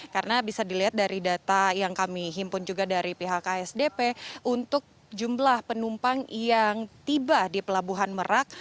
karena bisa dilihat dari data yang kami himpun juga dari pihak asdp untuk jumlah penumpang yang tiba di pelabuhan merak